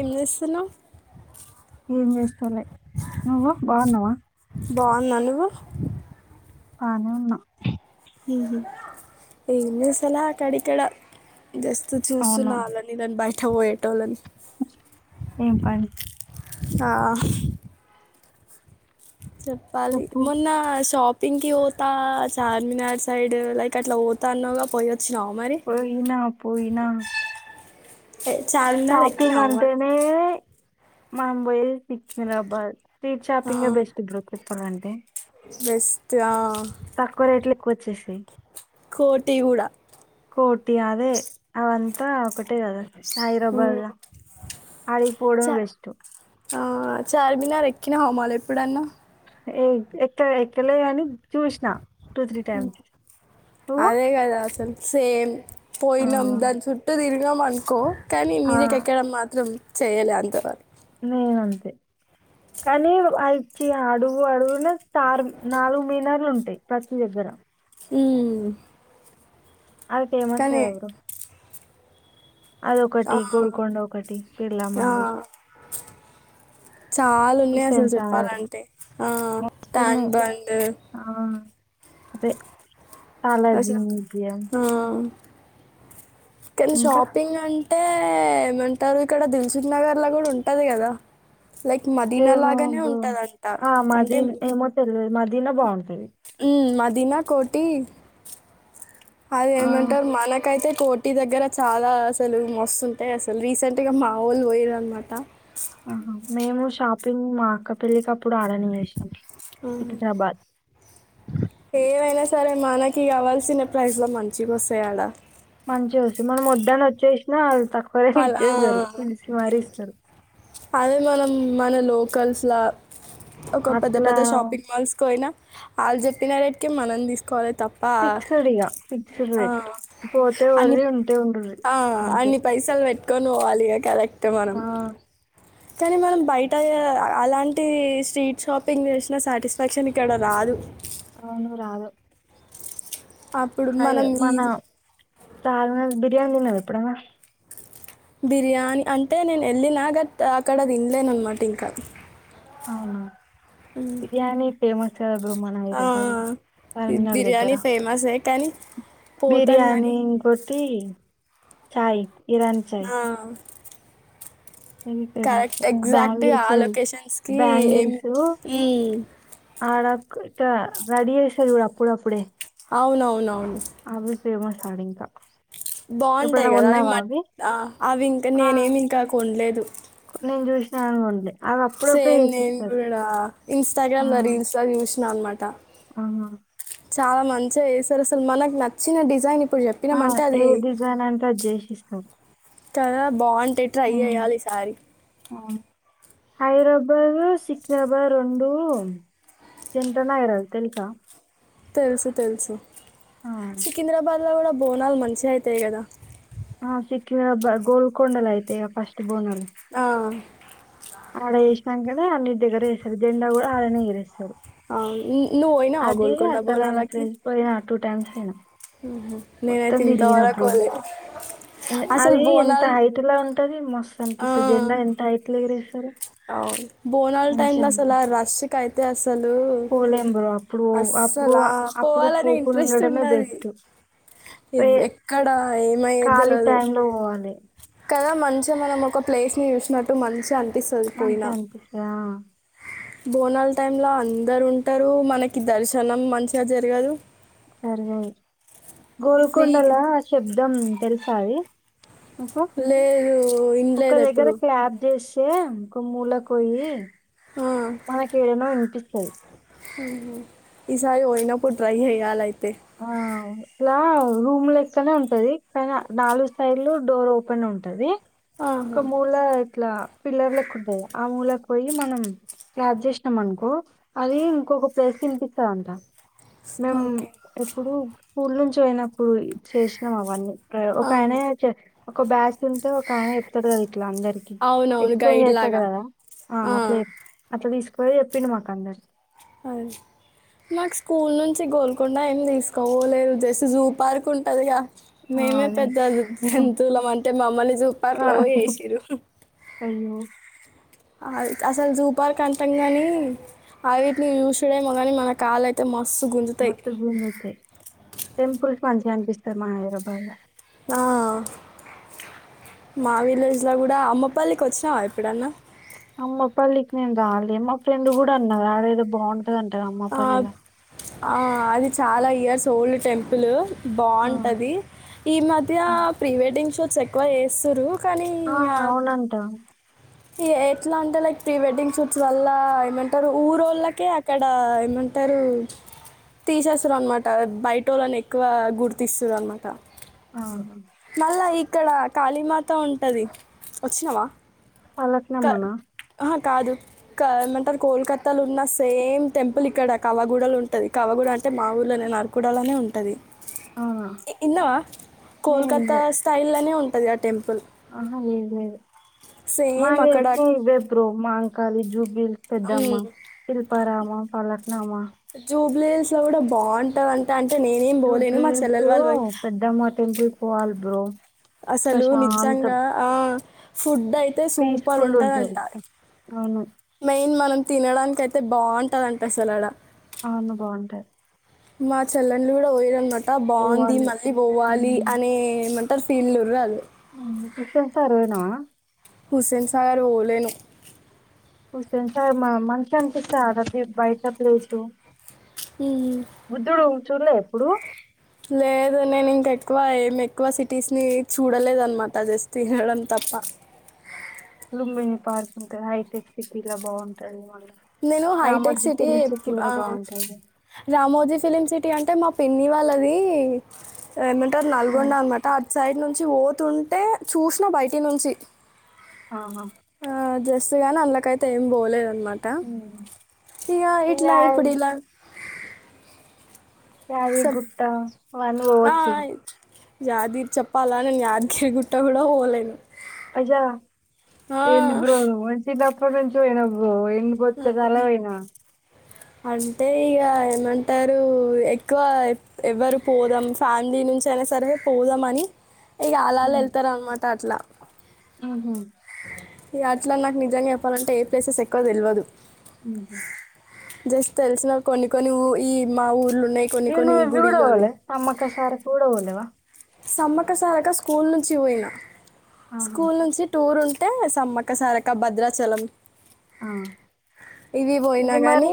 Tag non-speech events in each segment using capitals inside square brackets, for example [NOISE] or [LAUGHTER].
ఏం జేస్తున్నావ్ ఏం జేస్తలే నువ్వు బాగున్నావా బాగున్నా నువ్వు బానే ఉన్నా హుహూ ఏం జేస్తలే అక్కడికడా జస్ట్ అవునా చూస్తున్నా ఆళ్ళనీళ్ళని బయట బోయే ఏం పని ఆ చెప్పాలి చెప్పు మొన్న షాప్ పింకి పోతా చార్మినార్ సైడ్ లైక్ అట్లా పోతా అన్నావ్ గా పోయొ పోయినా పోయినా ఏ, చార్మినార్ షాపింగ్ ఎక్కినావు మరి అంటేనే మనం బోయేది సికింద్రాబాద్ స్ట్రీట్ ఆ, షాపింగ్ బెస్ట్ బ్రో చెప్పాలంటే బెస్ట్ ఆ తక్కువ రేట్లు ఎక్కువ వచ్చేస్తయ్ కోఠి గూడ కోఠి అదే అదంతా ఒకటే గదా ఉమ్. హైదరాబాద్లా ఆడిగిపోవడమే చా బెస్ట్ ఆ చార్మినార్ ఎక్కినవ మళ్ళ ఎప్పుడన్నా ఏ ఎక్క ఎక్కలే గాని చూసినా అదే గదా అసలు సేమ్ ఆ, పోయినాం దాని చుట్టూ తిరిగం అనుకో కానీ ఆ, మీదికి ఎక్కడం మాత్రం చేయలే అంత వ నేనంతే కానీ అచ్చి అడుగు అడుగున ఆరు నాలుగు మీనార్లు ఉంటాయి ప్రతి దగ్గర ఉమ్ అది ఫేమస్ కానీ గదా బ్రో ఆ, అదొకటి గోల్కొండ ఒకటి బిర్లా ఆ, మందిర్ [INAUDIBLE] చాలా ఉన్నాయి అసలు హుస్సేన్ సాగర్ చెప్పాలంటే ఆ ట్యాంక్ మస్తున్నాయి బండ్ ఆ, అదే సాలార్జీ అసలు మ్యూజియమ్ తెలుసు షాపింగ్ అం అంటే ఏమంటారు ఇక్కడ దిల్ సుఖ్ నగర్ల గూడా ఉంటది గదా ఏమో అబ్బా ఆ అంటే మాదీ ఏమో తెలువదు మాదీన బాగుంటది ఉమ్ మదీనా కోఠి అది ఆ, ఏమంటరు మనకైతే కోఠి దగ్గర చాలా అసలు మస్తుంటాయి అసలు రీసెంట్ గా మావోళ్ళు బోయిరు అన్నమాట ఆహా మేము షాపింగ్ మా అక్క పెళ్ళికప్పుడు ఆడనే జేసినాం సికింద్రాబాద్ ఏవైనా సరే మనకి గావాల్సిన ప్రైస్ లో మంచిగా వస్తాయాడా మంచిగా వస్తయ్ మనం వొద్దని వచ్చేసిన తక్కువ జేసి అలా ఇచ్చేస్తరు పిలిసి మరీ ఇస్తరు అదే మనం మన లోకల్స్ లా ఒక పెద్ద పెద్ద అట్లా షాపింగ్ మాల్స్ కి పోయినా వాళ్ళు చెప్పిన రటికి మనం తీసుకోవాలి తప్ప ఫిక్స్డ్ ఇక ఫిక్స్డ్ అ రేట్ పోతే వర్రి ఉంటే ఉండుర్రి అ అంతే పైస పెట్టుకొని పోవాలి కరెక్ట్ మనం ఆ కానీ మనం బయట అలాంటి స్ట్రీట్ షాపింగ్ చేసిన సాటిస్ఫాక్షన్ ఇక్కడ రాదు అవునూర ఆరు అప్పుడు అద మనం ఈ మన చార్ బిర్యానీ తిన్నావు ఎప్పుడంగా బిర్యానీ అంటే నేను వెళ్ళినా గట్ అక్కడ తినలేన అనమాట ఇంకా అవునా బిర్యానీ టేమస్ బ్రు మన ఆ, అయిరబ్బా అ ఈ తమినడ దగ్గర బిర్యానీ ఫేమసే కానీ పోతాం బిర్యానీి కానీ ఇ కొటి చా్ ఆ ఫేమస్ ఎగ్జాక్ట్గా ఆ బ్యాంగిల్స్ లొకేషన్స్కి ఏం బ్యాంగిల్స్ మ్మ్. ఆడా ఇ రెడిీ స అప్పుడుేప్పుడే అవునవునవును అభ ఫేమస్ హడికా బాగుంటాయి కదా అవి మట్ ఆ అవి ఇంకా ఆ నేనేమి ఇంకా కొండలేదు [UNINTELLIGIBLE] అప్పుడప్పుడే సేమ్ నేను చేసిస్తారు కూడా ఇన్స్టాగ్రామ్ లో రీల్స్ లొ చూసినా అనమాట ఆ చాలా మంచిగా వేస్తారు అసలు మనకు నచ్చిన డిజైన్ ఇప్పుడు ఆ! చెప్పినామ అంటే ఏ అది డిజైన్ అంటే అది చేసిస్తాం. చలా బాగుంటే ట్రై హ్మ్. చేయాలి ఈసారి హైదరాబాద్ సికి్రాబాద్ రెండు జనతా నారాయలు తెలుసా తెలుసు తెలుసు ఆ! సికింద్రాబాద్లో కూడా బోనాలు మంచిగా అవుతాయి కదా ఆ సికిరాబాద్ గోల్కొండ లయితే ఫస్ట్ బోనల్ ఆ ఆడ వేసినాకనే అన్ని దగ్గర వేస్తారు దెండా కూడా ఆడనే ఎరేస్తాారు అవును. ను- నువ్వు పోయినావా అది గోల్కొండ అసలుయినా బోనాలకి ఫసిపోయినా టూ టైమ్స్ అయినా నేనైతే ఇంతవరకు పోలే అసలు అది ఎంత బోనాలు హైట్ లా ఉంటది మస్తు ఆ, అనిపిస్తుంది జెండా ఎంత హెయిట్ల ఎగిరే అవును బోనాలు టైంలో అసలు అనిపిస్తది. రిస్క్ అసల అసలు పోలేం బ్రో అప్పుడు అప్పుడు అస్సలా ఆ అప్పుడు పోవాలని పోకుండా ఇంట్రెస్ట్ ఉండడమే ఉండేది బెస్ట్ వే ఎక్కడ ఏమయ్యే ఖాళీ తెలవదు లో పోవాలి కదా మంచిగా మనం ఒక ప్లేస్ ని చూసినట్టు మంచిగా అనిపిస్తుంది మంచించి అనిపిస్త బోనల్ టైమ్ లో అందరు ఉంటారు మనకి దర్శనం మంచిగా జరగదు సరే గోల్కొండ ఫ్రీగా లో ఆ శబ్దం తెలుసది లేదు ఒక ఇనలేదు దగ్గర ఎప్పుడు క్యాబ్ చేసి వే ఇంకో మూల కొయ్యి ఆ, మనకి ఏదనో వినిపిస్తుంది ఈసారి పోయినపుడు ట్రై చేయాలి ఆ ఇట్లా రూమ్ లెక్కనే ఉంటది కానీ నాలుగు సైడ్లు డోర్ ఓపెన్ ఉంటంది ఒక ఆహా, మూల ఇట్లా పిల్లర్ లెక్క ఉంట్టాదా ఆ మూలాకి పోయి మనం క్జ చేసినాం అనుకో అది ఇంకొక ప్లేస్ తినిపిస్తదంట మేము ఓకే ఎప్పుడు స్కూల్ నుంచి అయినప్పుడు చేసినాం అవన్నీ ఒక ఆయన ఆహా. ఒక బ్యాస్ ఉంటే ఒక ఆయన ఇప్తడు కద అట్ల అందరకి అవునవును ఎక్సప్లయిన్ గైడ్ చేస్తా లాగా కదా ఆ అట్లా తీసుక అదే చేపిండు అందరికి హాయ్ మాకు స్కూల్ నుంచి గోల్కొండ ఏం తీసుకోవలేదు జస్ జూ పార్క్ ఉంటదిగా ఆ, మేమే అదే పెద్ద జంతువులం అంటే మమ్మల్ని జూ ఆ, పార్కుల పై ఏసిర్రు అయ్యో అ అసలు జూ పార్క్ అంటాం గానీ అవిటిని యూస్ చేడేమో కానీ మన కాళ్ళ అయితే మా మస్తు గుంజుతాయి టెంపుల్స్ మంచి గ అనిపిస్తారు మా హైదరాబాద్ లో ఆ మా విలేజ్ లో కూడా అమ్మపల్లికి వచ్చినావా ఎప్పుడన్నా అమ్మ పల్లికి నేను రాలే మా ఫ్రెండ్ కూడా అన్నారు ఆడ ఏదో బాగున్ తదంటరా అమ్మా ఆ, పల్లిలో ఆ అది చాలా ఇయర్స్ ఓల్డ్ టెంపుల్ ఆ, బాగుంటది ఈ మధ్య ప్రీ వెడ్డింగ్ షూట్స్ ఎక్కువ చేస్తురు కానీ ఆ ఎట్లా అంటే లైక్ ప్రీ వెడ్డింగ్ షూట్స్ వల్ల ఏమంటారు ఊరు వొళ్ళకే అక్కడ ఎమన్ టరు తీసేస్తారు అనమాట బయట వొళ్ళనే ఎక్కువ గుర్తు ఇస్తరు అన్నమాట ఆ, మళ్ళ ఇక్కడ కాళీమాత ఉంటది వచ్చినావా ఫలక్నామా క- నా ఆహా, కాదు క ఏమంటారు కోల్కత్తాలో ఉన్న సేమ్ టెంపుల్ ఇక్కడ కవగూడలో ఉంటది కవగూడ ఆన్ అంటే మా ఊర్లోనే నరకుడలోనే ఉంటది అవునా ఇన్నావా నేను కోల్కత్తా ఇంట్లో స్టైల్ లోనే ఉంటది ఆ టేమ్ ఆహా లేదు లేదు సేమ్ మాకి అక్కడ తెలిసి వెబ్ గ్రో మాంకాళీ ఇ బిల్స్ మ్, పెద్దమ్మా శిల్పారామ ఫలక్నామా ప్లైన్స్ లో కూడా బాగుంటా అంట అని జూబ్లీహిల్స్ యూ పెద్దమ్మ టెంపుల్ కి పోవాలి బ్రో అసలు ప్రశాంతం నిజంగా ఆ ఫుడ్ అయితే సూపర్ ఉంటది అంట అవును మెయిన్ మనం తినడానికి అయితే బాగుంటదట అసలు ఆడ అవును బాగుంటార మా చెల్లెళ్లు కూడా పోయిరన్న మాట బాగుంది పోవాలి మళ్ళీ పోవాలి అనే టర్ ఫేల్లురు ఆళ్ల యూ ఉషాసారు పోయినావా హుస్సేన్ సాగర్ ఓలేను హుస్సేన్ సాగర్ మా మంచి అనిపిస్తది అది బయట ప్లేస్ ఉహు చూలే ఎప్పుడు లేదు నేను ఇంక ఎక్కువ ఏం ఎక్కువ సిటీస్ ని చూడలేదు అనమాట జస్ట్ వినడం తప్ పా లుంబిని పార్క్ ఉంటది హైటెక్ సిటీలో బాగుంటది మల్ల నేను హైటెక్ సిటీ ఆ బాగుంటది రామోజీ ఫిలిమ్ సిటీ ఆన్ అంటే మా పిన్ని వాళ్లది ఏమంటారు ఆ, నల్గొండ అన్నమాట అట్ సైడ్ నున్ చోతుంటే చూసిన బయటి నుంచి ఆహా సుగాన అందలకైతే ఏం బోలేదన్నమాట ఉమ్. ఇక ఇట్ల యాద్ ఇప్పుడు ఇలా క్యారీ చెప్ గుట్ట వాన్ వొచ్చి యాది చెప్పాలా నేను యాదగిరి గుట్ట కూడా పోలేను అజ ఆ, ఏంది బ్రో నువ్వు [UNINTELLIGIBLE] బ్రో నే పొద్దుగల పోయినా అంటే ఇక ఏమంటారు ఎక్కువ ఎవరు పోదాం ఫ్యాన్ దేని నుంచి అయినా సరే పోదామని ఇక ఆల్ ఆల్ వెళ్తారు అన్నమాట అట్ల ఉహు ఇగ అట్లా నాకు నిజంగా చెప్పాలంటే ఏ ప్లేసెస్ ఎక్కువ తెలవదు ఉహూ జస్ట్ తెలిసిన కొన్ని కొన్ని ఊ ఈ మా ఊర్లో ఏంటి నువ్వు ఇది కూడా పోలే నమ్మక్క సారక్క కూడా పోలేవా సమ్మక సారక్క స్కూల్ నుంచి పోయిన ఆహా, స్కూల్ నుంచి టూర్ ఉం టే సమ్మక్క సారక్క భద్రాచలం ఆ. ఇది పోయినా కానీ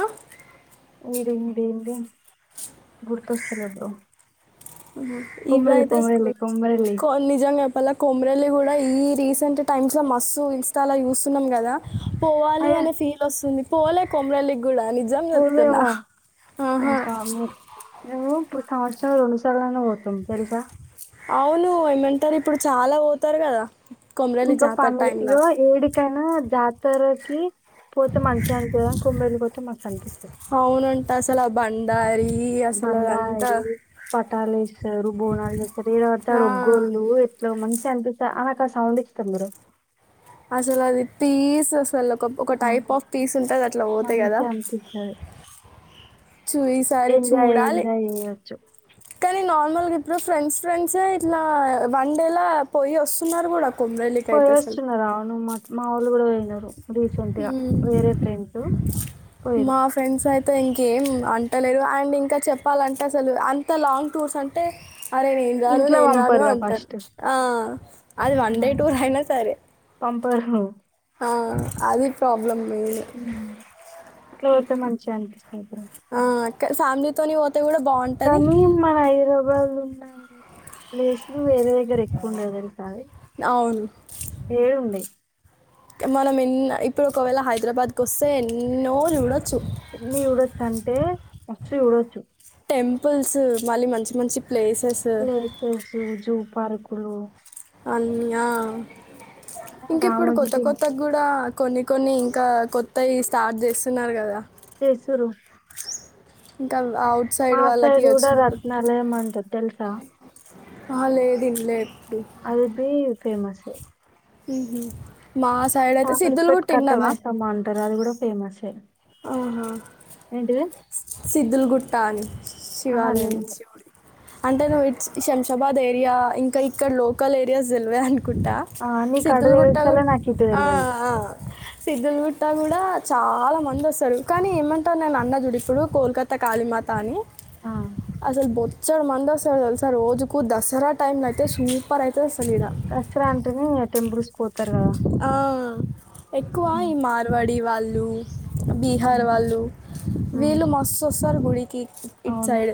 ఆ ఈడుంది ఏంటి గుర్తొస్తలే బ్రో ఇవ కొమరల్లి అయితే కొమరల్లి స్కూల్ కొమరల్లి కొ నిజంగా వలా కొమిరెల్లి కూడా ఈ రీసెంట్ టైమ్స్లో మస్తు ఇన్స్టాలో చూస్తున్నాం కదా పోవాలి అయ్యా అనే ఫీల్ వస్తుంది పోలే కొమరల్లికి కూడా నిజం చెప్తున్న ఏం సామి మేము ఇప్పుడు సంవత్సరం రెండు సార్లు అన్నా పోతాం తెలుసా అవును ఏమంటారు ఇప్పుడు చాలా పోతారు కదా కొమరవెల్లి ఇంకా జాతర పండుగ ఇం టైంలో ఏడికైనా జాతరకి పోతే మంచిగా అనిపియ్యదు కానీ కొమ్మరెల్లి పోతే మస్త్ అనిపిస్తది అవునంట అసలు ఆ బండారి అసలు అదంతా బంధాయి పట్ ట్టాలు వేస్తారు బోనాలు చేస్తారు ఏడ పడితే ఆడ ఆ, ఒగ్గోళ్ళు ఎట్ల మంచి గ అనిపిస్తా నాకు ఆ సౌండ్ ఇష్టం చూడు అసలు అది పీస్ అసలు ఒక ఆ, టైప్ ఆఫ్ పీస్ ఉంటది అట్లా పోతే కదా మంచిగా అనిపిస్తుంది చూ ఈసారి ఎంజాయ్ చూడాలి ఎంజాయ్ చేయొచ్చు కానీ నార్మల్గా ఇప్పుడు ఫ్రెండ్స్ ఫ్రెండ్సే ఇట్లా వన్ డేలా పోయి వస్తున్నారు కూడా కొమరవెల్లికి పోయి అయితే అసలు వస్తున్నారా అనమాట మా వోళ్ళు కూడా పోయినారు రీసెంట్ గా ఉమ్. వేరే ఫ్రెండ్స్ పోయారు మా ఫ్రెండ్స్ అయి తే ఇంకేం అంటలేరు అండ్ ఇంకా చెప్పాలంటే అసలు అంత లాంగ్ టూర్స్ అంటే అరే నేను రాను ఇంట్లో నేను రాను పంపరుగా అంటారు ఫస్ట్ అది వన్ డే టూ డే అయినా సరే పర్హు ఆ అది ప్రాబ్లమ్ మేనే ఉమ్. అట్లా ఉ పోతే మంచిగా అనిపిస్తుంది బ్రో ఊ ఆ ఫ్యామిలీతోని కానీ మన హైదరాబాద్ ఉన్న ప్లేస్ ను వేరే దగ్గర ఎక్కువండదు తెలుసా అది అవును ఏం ఉండయి మనం ఎన్న ఇప్పుడు ఒకవేళ హైదరాబాద్కి వస్తే ఎన్నో చూడొచ్చు ఎన్ని చూడొచ్చు అంటే మస్తు చూడొచ్చు టెంపుల్స్ మళ్ళీ మంచి మంచి ప్లేసెస్ ప్లేసెస్ జూ పార్కులు అన్నా ఇంకా ఇప్పుడు రామోజీ కొత్త ఫిలిం కొత్త కూడా కొన్ని కొన్ని ఇంకా కొత్తవి స్టార్ట్ చేస్తున్నారు కదా చేస్తుర్రు ఇంకా అ ఔట్ సైడ్ వాళ్ళకి కూడా వచ్చినప్పుడు రత్నాలయం అంటారు తెలుసా అ లేదు ఇంగ లేదు అది బీ ఫేమస్ ఏ ఉహూ మా సైడ్ అయితే సిద్దులు చామరిపేట గుట్టి విన్నావా కట్టమైసమ్మ అంటారు అది కూడా ఫేమస్ ఏ ఆహా సిద్ధులగుట్ట అని ఆహా శివాలయం లేదు అంటే నువ్వు ఇట్స్ శంషాబాద్ ఏరియా ఇంకా ఇక్కడ లోకల్ ఏరియాస్ తెలివదు అను కుంటా ఆ, నీకు అటు సిద్దుల్ గుట్ట గు తెలుస్తలే నాకు ఇటు ఆ తెలియదు ఆ సిద్దులు గుట్ట కూడా చాలా మంది వస్తారు కానీ ఏమంటారు నేను అన్న చూడు ఇప్పుడు కోల్కతా కాళీమాత అని ఆ, అసలు బొచ్చడు మంది అసలు తెస రోజుకు దసరా టైం అయితే సూపర్ అయితే దసరా అంటేనే టెంపుస్ ఆ ఎక్కువ ఉమ్, ఈ మార్వాడి వాళ్ళు బీహార్ ఉమ్, వాళ్ళు ఉమ్, వీళ్ళు మస్తుొస్తారు గుడికి ఇటు అవును సైడ్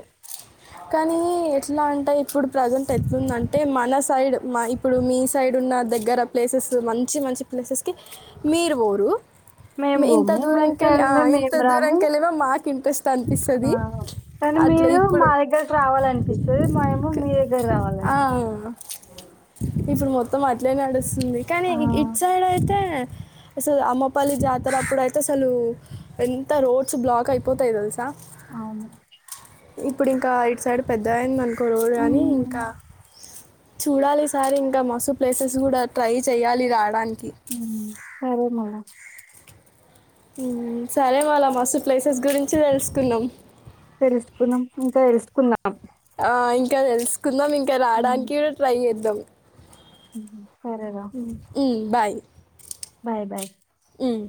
కానీ ఎట్లా అంటే ఇప్పుడు ప్రజెంట్ ఎతుందంటే మన సైడ్ ఇప్పుడు మీ సైడ్ న్న దగ్గర ప్లేసెస్ మంచి మంచి ప్లేసెస్ కి మీరు పోరు మేము ఇంత బోము మీ దూరంక వెళ్ళి సైడ్ ఆ నుండి ఇంత మేము రాము దూరక వెళ్ళామ మాకు ఇంట్రెస్ట్ ఆ, అనిపిస్తుంది కానీ అట్లా మీరు ఇప్పుడు మా దగ్గరకు రావాలనిపిస్తుంది మేము మీ దగ్గర ఆ రావాలని ఇప్పుడు మొత్తం అట్లే నడుస్తుంది కానీ ఆ, ఇట్ సైడ్ అయితే అసలు అమ్మపల్లి జాతర అప్పుడు అయితే అసలు ఎంత రోడ్స్ బ్లాక్ అయిపోతాయింది తెలుసా అవును ఇప్పుడు ఇంకా ఇటు సైడ్ పెద్ద అయింది అనుకో రోడ్ కానీ ఉమ్, ఇంకా చూడాలి ఈసారి ఇంకా మస్తు ప్లేసెస్ కూడా ట్రై చెయ్యాలి రా సరే మల సరే మళా మస్తు ప్లేసెస్ గురించి తెలుసుకున్నాం తెలుసుకున్నాం ఇంకా తెలుసుకుందాం ఆ ఇంకా తెలుసుకుందాం ఇంకా ఉమ్, రాడానికి కూడా ట్రై చేద్దాం ఉమ్. సరేరా మ్మ్ బాయ్ బాయ్ బాయ్ ఉమ్